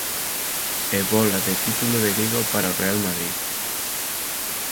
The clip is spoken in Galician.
E bóla de título de Liga para o Real Madrid.